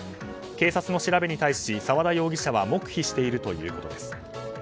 警察の調べに対し、澤田容疑者は黙秘しているということです。